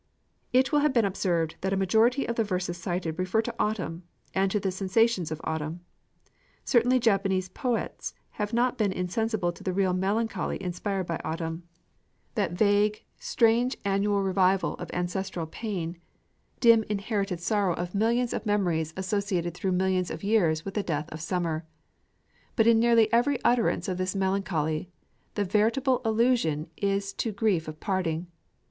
It will have been observed that a majority of the verses cited refer to autumn and to the sensations of autumn. Certainly Japanese poets have not been insensible to the real melancholy inspired by autumn, that vague strange annual revival of ancestral pain: dim inherited sorrow of millions of memories associated through millions of years with the death of summer; but in nearly every utterance of this melancholy, the veritable allusion is to grief of parting.